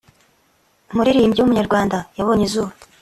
umuririmbyi w’umunyarwanda yabonye izuba